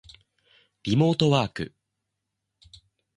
リモートワーク